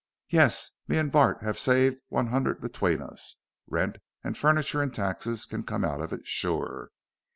"Yes, me and Bart have saved one 'undred between us. Rent and furniture and taxes can come out of it, sure.